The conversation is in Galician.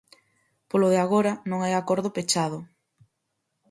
Polo de agora non hai acordo pechado.